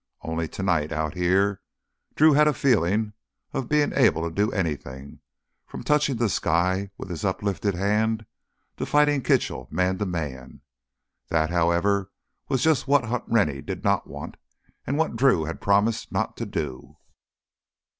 Only tonight, out here, Drew had a feeling of being able to do anything—from touching the sky with his uplifted hand to fighting Kitchell man to man. That, however, was just what Hunt Rennie did not want and what Drew had promised not to do.